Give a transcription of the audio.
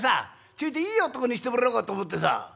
ちょいといい男にしてもらおうかと思ってさ」。